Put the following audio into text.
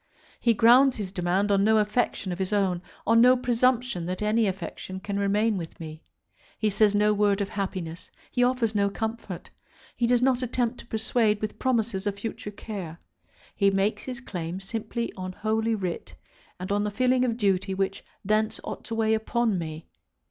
He grounds his demand on no affection of his own, on no presumption that any affection can remain with me. He says no word of happiness. He offers no comfort. He does not attempt to persuade with promises of future care. He makes his claim simply on Holy Writ, and on the feeling of duty which thence ought to weigh upon me.